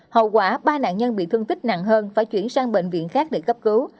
hậu quả ba nạn nhân bị thương tích nặng hơn phải chuyển sang bệnh viện khác để cấp cứu